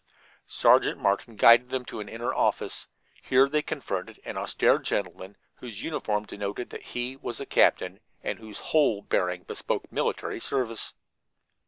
Sergeant Martin guided them to an inner office. Here they confronted an austere gentleman whose uniform denoted that he was a captain, and whose whole bearing bespoke military service.